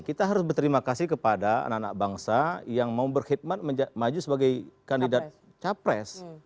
kita harus berterima kasih kepada anak anak bangsa yang mau berkhidmat maju sebagai kandidat capres